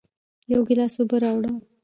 یو گیلاس اوبه راوړه